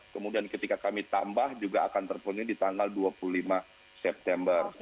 kemudian ketika kami tambah juga akan terpenuhi di tanggal dua puluh lima september